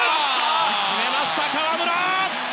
決めました、河村！